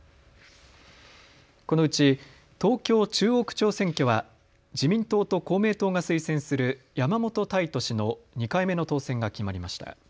このうち東京中央区長選挙は自民党と公明党が推薦する山本泰人氏の２回目の当選が決まりました。